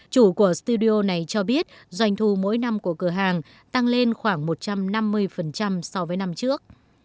chủ của studio này cho biết doanh thu mỗi năm của cửa hàng tăng lên khoảng một trăm năm mươi so với năm trước